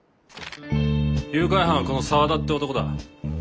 誘拐犯はこの沢田って男だ。